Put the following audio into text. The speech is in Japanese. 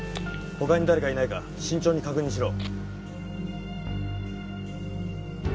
他に誰かいないか慎重に確認しろ。